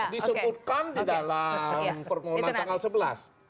disebutkan di dalam permohonan tanggal sebelas